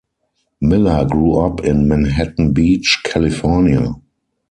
Miller grew up in Manhattan Beach, California.